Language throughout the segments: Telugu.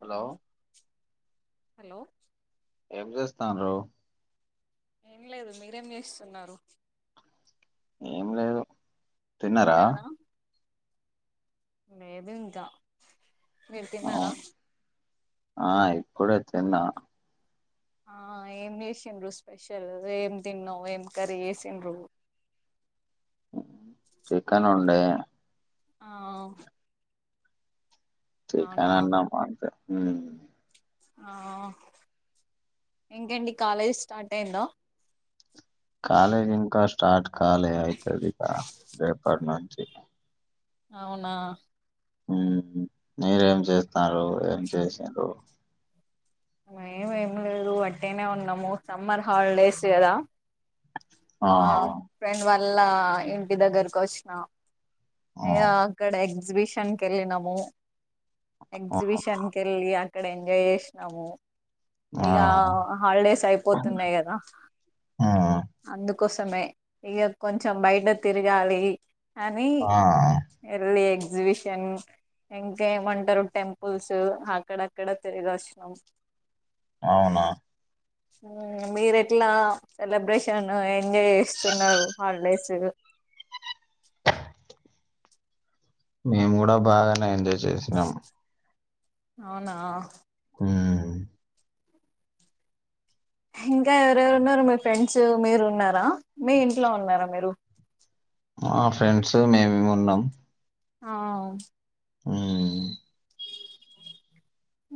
హలో హలో ఏం జేస్తన్రు ఏం లేదు మీరేం చేస్తున్నారు ఏం లేదు తిన్నారా లేదు ఇంకా మీరు ఆ తిన్నారా ఆ ఇప్పుడే తిన్నా ఆ ఏం చేసిండ్రు స్పెషల్ ఏం తిన్నవు ఏం కర్రీ చేసిండ్రు చికెన్ ఉండే ఆ అవునా చికనన్న మటన్ మ్ ఆ ఇంకేండి కాలేజ్ స్టార్ట్ అయిందా కాలేద్ ఇంకా స్టార్ట్ కాలె అయితది ఇగా రేపటి నుంచి అవునా ఉహు మీరేం చేస్తాన్రు, ఏం చేసిన్రు? ఏం ఏమి లేదు వాట్టిగనే ఉన్నము సమ్మర్ హాలిడేస్ కదా. ఆ మా ఫ్రెండ్ వాల్ల ఇంటి దగ్గరకు వచ్చిన ఆ ఇగ అక్కడ ఎగ్జిబిషన్ కి ఎళ్ళినము. ఎగ్జిబిషన్కి కెళ్ళి అక్కడ ఎంజాయ్ చేసినము. ఆ ఇగా హాలిడేస్ అయిపోతున్నయి కదా ఆ అందుకోసమే ఇగ కొంచం బయట తిరగాలి. అని ఆ ఎళ్లి ఎక్సిిబిషన్ ఇంకెమంటరు టెంపుల్సు అక్కడక్కడ తిరిగి వచ్చినం. అవునా ఉమ్ మీరు ఎట్లా సెలబ్రేషన్, ఎంజాయ్ చేస్తున్నరు హాలిడేసు మేము కుడ బాగనే ఏంజయ్ అవునా ఉమ్ ఇంకా ఎవరెవరు ఉన్నరు మీ ఫ్రెండ్స్ మీరు ఉన్నారా, మీ ఇంట్లో ఉన్నారా మీరు? మా ఫ్రెండ్స్ మేమేమి ఉన్నం. ఆవ్ మఉమ్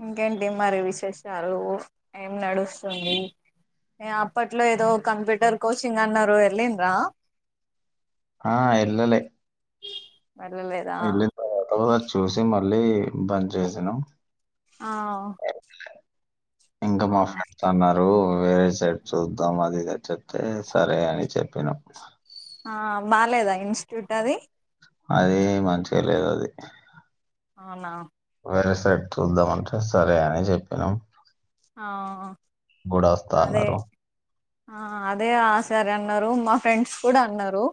ఇంకేంటి మరి విశేషాలు ఏం నడుస్తుంది? ఎ అప్పట్లో ఏదో కంప్యూటర్ కోచింగ్ అన్నరు వెల్లీన్రా? ఆ ఎల్లలే వెళ్ళలేదా ఎల్లి ఆ తర్వాత చూసి మళ్ళీ బంద్ చేసినం. ఆ ఇంక మా అవునా ఫ్రెండ్స్ అన్నారు. రు వేరే సైడ్ చూద్దాం అది ఇది అని చెప్తే సరే అని చెప్పినం. ఆ బాలేదా ఇన్స్టిట్యూట్ అది? అది మంచిగ లేదది అవునా వేరే సైడ్ చూద్దాం అంటే సరే అని చెప్పినం. ఆ వస్తా అదే అన్నారు ఆ అదే ఆ సరన్నారు, మా ఫ్రెండ్స్ కూడా అన్నరు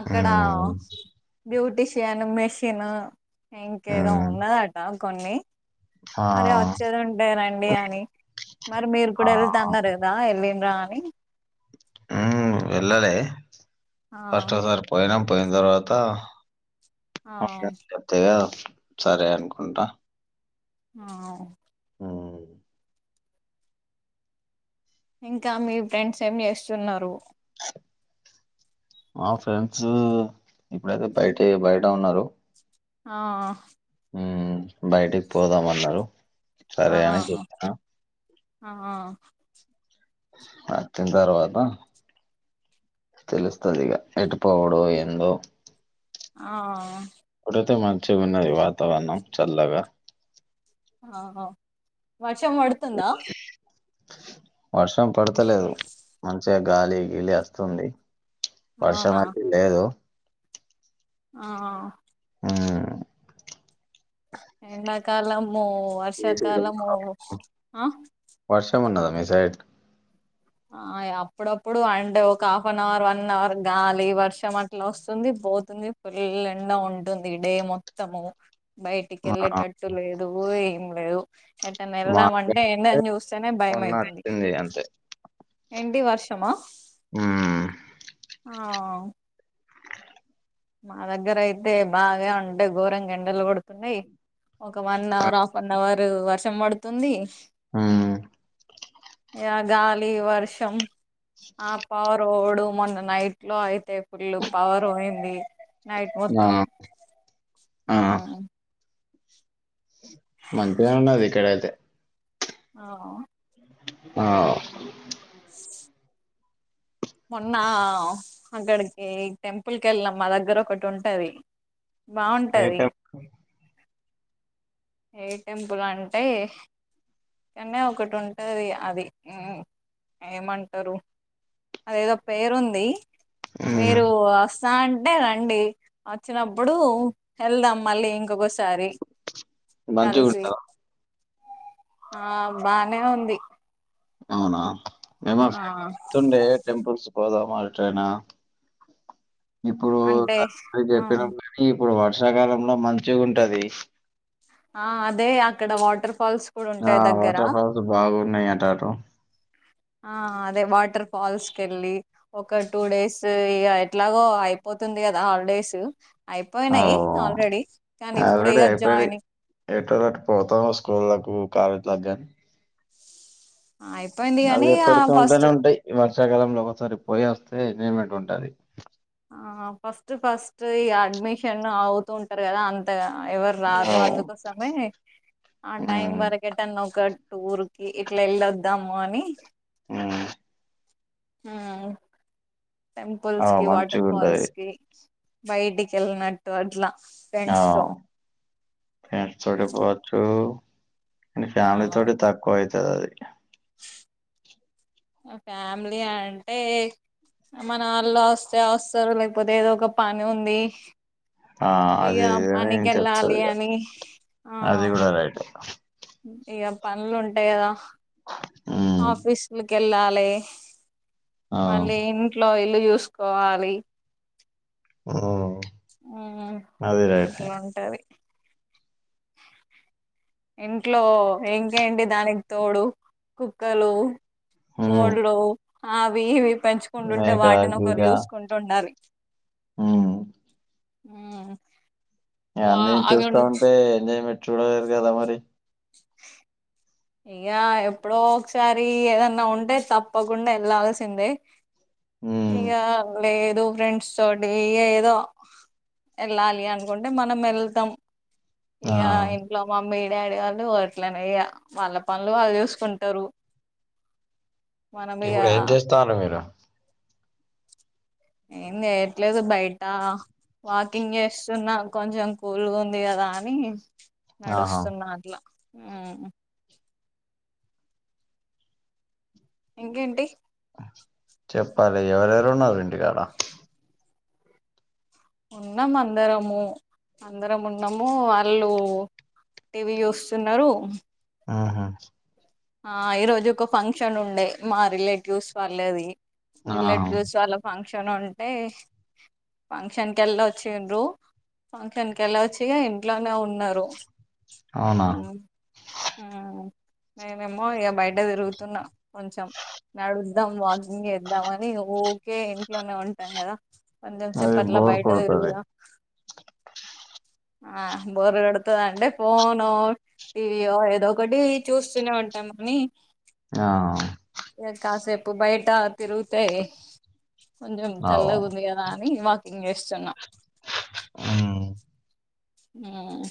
అక్కడ ఉమ్, బ్యూటిషియన్, మెషిన్ ఇంకేదో ఉమ్, ఉన్నదట కొన్ని, ఆ, మరి వచ్చేది ఉంటేయి రండి అని మరి మీరు ఆ, కూడా వెల్తా అన్నరు కదా వెళ్ళిన్రా అని? ఉమ్, వెళ్ళలే ఆ ఫస్ట్ అసల్ పోయినం పోయిన తర్వాత ఆ మా ఫ్రెండ్స్ చెప్తే సరే అనుకుంటా ఆ ఉమ్ ఇంకా మీ ఫ్రెండ్స్ ఏం చేస్తున్నరు? మా ఫ్రెండ్స్ ఇప్పుడైతే బయటె బయట ఉన్నరు. ఆ ఉమ్ బయటికి పోదామన్నరు. ఆహా ఆ అచ్చిన తర్వాత తెలుస్తది ఇగ ఎటుపోవుడో ఏందో ఆ ఇప్పుడైతే మంచిగా ఉన్నది వాతావరణం చల్లగా ఆ వర్షం పడుతుందా వర్షం పడతలేదు మంచిగా గాలి గీలి వస్తుంది అవునా వర్షమైతే లేదు ఆ ఊ ఎండాకాలము వర్షాకాలము ఆ వర్షం ఉన్నదా మీ సైడ్ ఆ అప్పుడప్పుడు అంటే ఒక half an hour one an hour గాలి వర్షం అట్లా వస్తుంది పోతుంది ఫుల్ ఎండ ఉంటుంది డే మొత్తము బయటికి మా వెళ్ళేటట్టు లేదు ఏం లేదు ఎట్టనై మా వెళ్దామంటే ఎండని చూస్తేనే భయం అవుతుంది ఇగ అంతే ఎంటి వర్షమా ఊ ఆవ్ మా దగ్గర అయితే బాగా అంటే ఘోరంగా ఏండలు కొడుతున్నయ్ ఒక one hour half an hour వర్షం పడుతుంది ఊ ఇగ గాలి వర్షం ఆ పవర్ ఓడు మొన్న నైట్ లో అయితే ఫుల్ పవర్ పోయింది నైట్ ఆ! మొత్తం ఆ! ఊ మంచిగానె ఉన్నది ఇక్కడ ఐతే ఆ ఆ మొన్న అక్కడికి టెంపుల్కి వెళ్ళినాం మా దగ్గర ఒకటి ఉంటది బాగుంటది అయితే ఏ టెంపుల్ అంటే ఇక్కనే ఒకటి ఉంటది అది ఏమంటారు అదేదో పేరుంది హ్మ్. మీరు అస్ తా అంటే రండి వచ్చినప్పుడు వెళ్దాం మళ్ళీ ఇంకొకసారి కలిసి మంచిగుంటదా? ఆ బానే ఉంది అవునా మేమ ఆ ఫ్రెతుండే టెంపుల్స్ పోదాం అటైనా ఇప్పుడు అంటే [unintelligible] ఆ చెప్పినం మేం మీ ఇప్పుడు వర్షాకాలంల మంచిగ ఉంటది ఆ అదే అక్కడ వాటర్ ఫాల్స్ కూడా ఆ ఉంటాయి దగ్గర వాటర్ ఫల్స్ బాగున్నాయి అట అటు ఆ అదే వాటర్ ఫాల్స్ కేళ్ళి ఒక టూ డేస్ ఇగ ఎట్లాగో అయిపోతుంది కదా హాలిడేస్ అయిపోయినాయి ఆహ్, ఆల్రెడీ కానీ ఇప్పుడే ఆల్రెడీ గా అయిపోయినాయి. జాయిన్ ఎటో దట్ పోత స్కూళ్లకు కాలేజ్లకు గాని ఆ ఇప్ అవి ఎప్పటికీ ఉంటనే ఉంటయ్ ఈ వర్షాకాలంలో ఒకసారి పోయొస్తే ఎంజాయ్మెంట్ ఉంటది ఆ ఫస్ట్ ఫస్ట్ ఇగ అడ్మిషన్ అవుతూ ఉంటారు కదా అంతగా ఎవరు రారు అవును. అందుకోసమే ఆ టైం హ్మ్. వరకి ఎటన్న ఒక టూర్ కి ఇట్ల ఎళ్ళొద్దాము అని ఊ ఆ ఆ! టెంపుల్స్ కి, వాటర్ మంచిగుంటది. ఫాల్స్ కి, బయటికి వెళ్లినట్టు అట్లా. ఆ ఫ్రెండ్స్ తో [unintelligible] మీ ఫ్యామిలీ ఆ తోటి తక్కువ అయితది అది ఫ్యామిలీ అంటే మన వాళ్ళు వస్తే వస్తారు లేకపోతే ఏదో ఒక పని ఉంది ఆ ఇక అధే గని పనికి నేన వెళ్ళాలి చెప్తంది అని అది కూడా రైటే ఇగ పనులు ఉంటాయి గదా ఉమ్ ఆఫీస్లుకు ఎళ్ళాలే, ఆ మళ్ళీ ఇంట్లో ఇల్లు జూసుకోవాలి. ఓ ఆ అట్ల ఉంటది ఇంట్లో, ఇంకేంటి దానికి తోడు కుక్కలు ఉమ్ కోళ్లు అవి ఇవి పెంచుకుంటుంటే మేక వాటిని ఒకరు చూసుకుంటు ఉండాలి ఊ ఊ అన్ని చూస్తా ఉంటే ఎంజాయ్మెంట్ చూడలేదు కదా మరి ఇగా ఎప్పుడో ఒకసారి ఏదన్నా ఉంటే తప్పకుండా ఎళ్ళల్సిందే ఉ ఇగ ఏదో ఫ్రెండ్స్తోటి ఇగ ఏదో వెళ్ళాలి అనుకుంటే మనం వెళ్తాం ఆ ఇక ఇంట్లో మమ్మీ డాడీ వాళ్ళు అట్లేనే ఇగ వాళ్ళ పనులు వాళ్ళు చూసుకుంటారు ఇప్పుడు ఏం చేస్తన్నారు మీరు ఏం జేయట్లేదు బయట వాకింగ్ చేస్తున్నా, కొంచెం కూల్గా ఉంది గదా అని. ఆహా నడుస్తున్నా అట్ల ఊ ఇంకేంటి చెప్పాలి ఎవరెవరు ఉన్నారు ఇంటి కాడ ఉన్నాము అందరము అందరం ఉన్నాము వాళ్ళు టీవి చూస్తున్నారు ఆహా ఆ ఈ రోజు ఒక ఫంక్షన్ ఉండే మా రిలేటివ్స్ వాళ్ళది ఆ రిలేటివ్స్ వాళ్ళ ఫంక్షన్ ఉంటే ఫంక్షన్ కి వెళ్ళి వచ్చిండ్రు ఫంక్షన్ కెళ్ళ వచ్చిగా ఇంట్లోనే ఉన్నారు. ఊ అవునా హా నేనేమో ఇగ బయట తిరుగుతున్నా కొంచెం నడుద్దాం వాకింగ్ చేేద్దాం అని ఊకే ఇంట్లోనే ఉంటాం కదా కొంచెం సేపు అది అట్లా బోర్ కొడుతది బయటదిరుగుదా ఆ బోర్ కొడుతది అంటే ఫోన్ టీవీయో ఏదో ఒకటి చూస్త తునే ఉంటాం అని ఆ ఇగ కాసేపు బయట తిరుగుతే కొంచెం అవు చల్లగుంది గద అని వాకింగ్ చేస్తున్నాం ఊ ఊ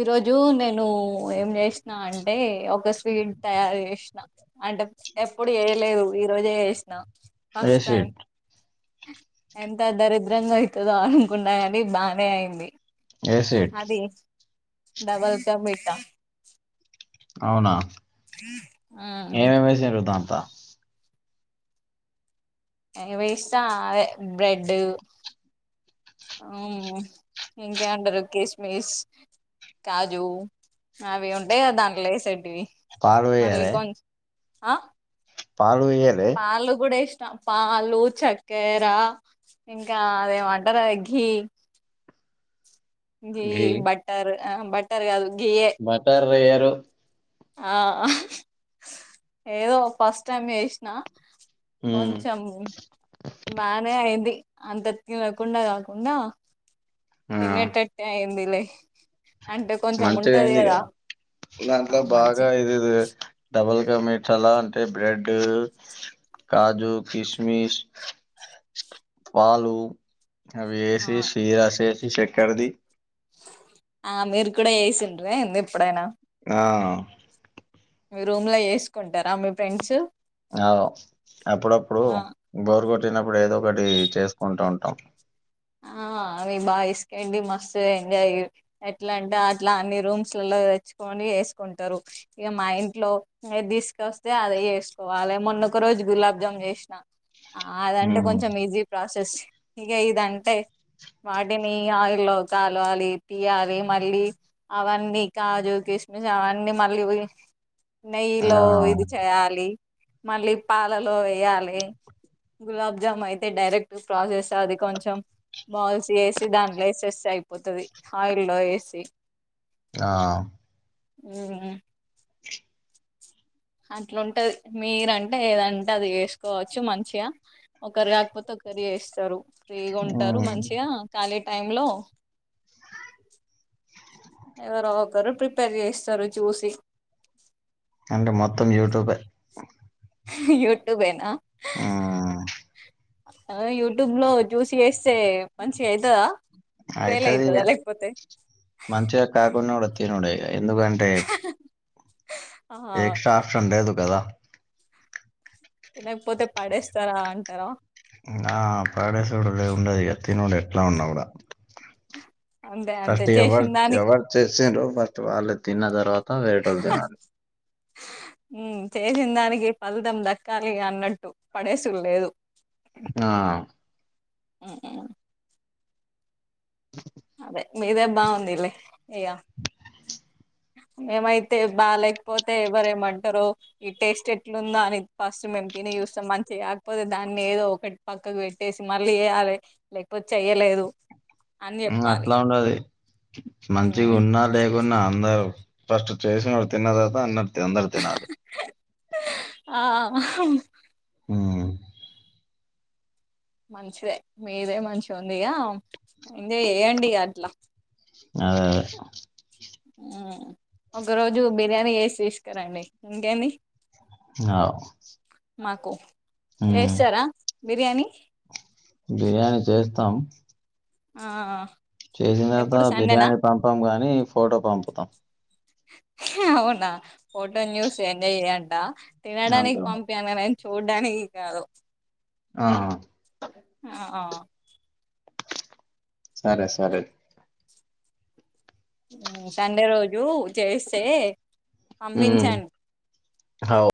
ఈ రోజు నేను ఏం చేసినా అంటే ఒక స్వీట్ తయారు చేసిన అంటే ఎప్పుడు చేయలేదు ఈ రోజే చేసినా ఏ ఫస్ట్ టైం సీట్ ఎంత దరిద్రంగా అయితదో అనుకున్న కాని బానే అయింది ఏ సీట్ అది డబల్ క మీటా అవునా ఉమ్ ఏమేమి ఎసిండ్రు ధాంట్ల ఏమేసిన బ్రెడ్ ఊవ్ ఇంకేమంటారు కిస్మిస్ కాజూ అవి ఉంటయిగ దాంట్లో ఏసేటివి పాలు మళ్ళ కొన్ ఆ పాలూ ఎయ్యలే పాలు కూడా ఏసినా పాలు చక్కెర ఇంకా అదేమో అంటరు గదా ఘీ ఘీ బట్టర్ ఆ బటర్ గాదు ఘీయే బటర్ వేయరు ఆ ఏదో ఫస్ట్ టైమ్ చేసిన ఉమ్ కొంచెం బానే అయింది అంత తినకుండా కాకుండా ఆ తినేటట్టే అయిందిలే అంటే కొంచెం మంచిగా ఉంటది అయింది గదా కదా దాంట్లో బాగా ఇదిది డబల్ కా మీటాల అంటే బ్రెడ్ కాజూ కిశ్మీస్ పాలు అవి ఆ ఏసి సీదా సేసి చెక్కరిది ఆ మీరు కూడా వేసిండ్రే ఏందీ ఎప్పుడైనా ఆ మీ రూమ్ లో చేసుకుంటరా మీ ఫ్రెండ్స్ ఆ అప్పుడప్పుడు ఆ బోరు కొట్టినప్పుడు ఏదో ఒకటి చేసుకుంటూ ఉంటాం ఆ అవి బా చేసుకండి మస్తు ఎంజాయ్ ఎట్లా అంటే అట్లా అన్ని రూమ్స్లలో తెచ్చుకొని చేసుకుంటారు ఇక మా ఇంట్లో ఏది తీసుకొస్తే అదే చేసుకోవాలి మొన్నొకరోజు గులాబ్ జామున్ చేసినా ఆ అదంటే ఉమ్ కొంచెం ఈజీ ప్రాసెస్ ఇగ ఇదన్ అంటే వాటిని ఆయిల్లో కాలవాలి తీయాలి మళ్ళీ అవన్నీ కాజు, కిష్మిష్, అవన్నీ మళ్ళీ పోయి నెయ్యిలో ఆ ఇది చేయాలి, మళ్ళీ పాలలో ఏయాలే గులాబ్ జామ్ అయితే డైరెక్ట్ ప్రాసెస్ అది కొంచెం బాల్స్ చేసి దాంట్లో వేసేస్తే అయిపోతది ఆయిల్ లో వేసి ఆ ఉమ్ అట్లుంటది మీరంటే ఏదంటే అది చేసుకోవచ్చు మంచిగా ఒకరు కాకపోతే ఒకరి చేస్తారు ఫ్రీగా ఉంటారు ఉమ్ మంచిగా ఖాళీ టైము లో ఎవరో ఒకరు ప్రిపేర్ చేస్తారు చూసి అంటే మొత్తం యూట్యూబే యూట్యూబేనా ఆ ఆ యూట్యూబ్ లో జూసి చేస్తే మంచిగా అయితదా ఫెయిల్ అయితది అయితాద ఇగ లేకపోతే మంచిగా కాకున్నా గూడ తినుడే ఎందుకంటే అహ్ ఆ ఏక్ సాస్ ఉండదు కద తినకపోతే పడేస్తారా అంటారా ఆ పడేసుడు ఉండదిగ తినుడే ఎట్లా ఉన్నా కూడా అంతే అంతే ఫస్ట్ ఎవరు చేసిన దానికి ఎవరు చేసిండ్రొ ఫస్ట్ వాళ్ళు తిన్న తర్వాత వేరేటొళ్ళు తినాలి ఆ మ్మ్ చేసిన దానికి ఫలితం దక్కాలి గా అన్నట్టు పడేసుడు లేదు ఆ మ్మ్ అవున అదే మీదే బావుందిలే ఇగ మీమైతే బాలేకపోతే ఎవ్వరు ఏమంటారో ఇది టేస్ట్ ఎట్లుందా అని ఫస్ట్ మేము తిని చూస్తాం మంచిగా కాకపోతే దాన్ని ఏదో ఒకటి పక్కకు పెట్టేసి మళ్ళీ చేయ్యాలి లేకపోతే చెయ్యలేదు అని ఇంగా చెప్పాలి అట్లా ఉండదు మంచిగా ఉమ్ ఉన్నా లేకున్నా అందరూ ఫస్ట్ చేసినోరు తిన్న తర్వాత అంద అందరు తినాలి ఆ ఉను మంచిదే మీదే మంచిగా ఉంది ఇగ ఇంగా చేయండి ఇగ అట్లా అదే అదే ఒక రోజు బిర్యానీ చేసి తీసుకురండి ఇంకేమి అవ్ మాకు ఉమ్ చేస్తారా బిర్యానీ బిర్యానీ చేస్తాం ఆ చేసిన తర్వాత ఎప్పుడు సండేనా బిర్యానీ పంపాం గానీ ఫోటో పంపుతాం అవునా ఫోటోను జూసి ఎంజాయ్ చేయ్యంటావ అంతే తినడానికి మరి పంపు ఇంకా నేను చూడ్డానికి కాదు ఆహ ఆ సరే సరే సండే రోజు చేస్తే పంపించండి హవ్